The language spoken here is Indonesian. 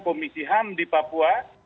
komisi ham di papua